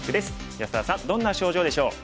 安田さんどんな症状でしょう？